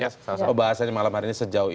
untuk membahas malam hari ini sejauh ini